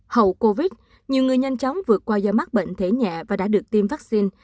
hậu covid nhiều người nhanh chóng vượt qua do mắc bệnh thể nhẹ và đã được tiêm vaccine